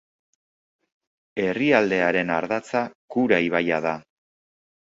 Herrialdearen ardatza Kura ibaia da.